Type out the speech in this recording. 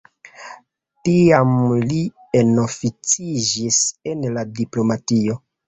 Tiam li enoficiĝis en la diplomatio.